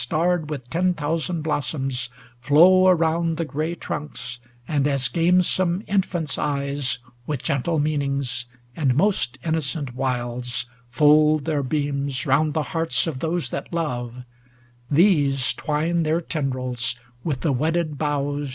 Starred with ten thousand blossoms, flow around 440 The gray trunks, and, as gamesome infants' eyes, With gentle meanings, and most innocent wiles, Fold their beams round the hearts of those that love, These twine their tendrils with the wedded boughs.